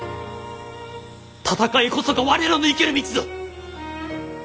戦いこそが我らの生きる道ぞ！